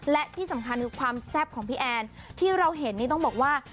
และที่สำคัญคือความแซ่บของพี่แอนที่เราเห็นนี่ต้องบอกว่า